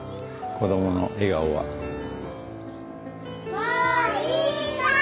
もういいかい？